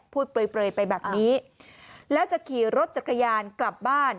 เปลยไปแบบนี้แล้วจะขี่รถจักรยานกลับบ้าน